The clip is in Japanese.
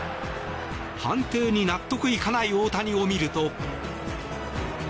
判定に納得いかない大谷を見ると。